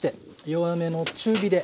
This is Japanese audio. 弱めの中火で。